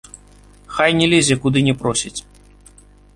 Хай не лезе, куды не просяць.